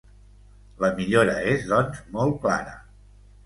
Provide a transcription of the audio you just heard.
La millora és doncs molt clara.